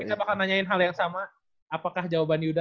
kita bakal nanyain hal yang sama apakah jawaban yuda